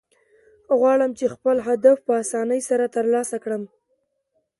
غواړم، چي خپل هدف په آساني سره ترلاسه کړم.